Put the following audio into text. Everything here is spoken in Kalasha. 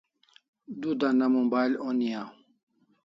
Du dana mobile oni aw